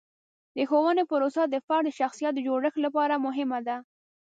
د ښوونې پروسه د فرد د شخصیت د جوړښت لپاره مهمه ده.